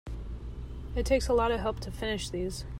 It takes a lot of help to finish these.